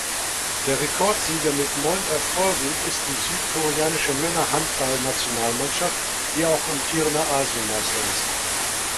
Der Rekordsieger mit neun Erfolgen ist die Südkoreanische Männer-Handballnationalmannschaft, die auch amtierender Asienmeister ist.